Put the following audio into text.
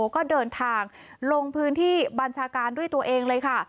ก็เดินทางลงพื้นที่บัญชาการด้วยตัวเองเลยค่ะ